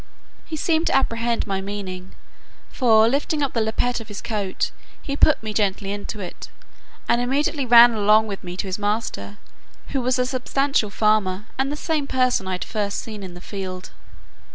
He seemed to apprehend my meaning; for, lifting up the lappet of his coat, he put me gently into it, and immediately ran along with me to his master, who was a substantial farmer, and the same person I had first seen in the field.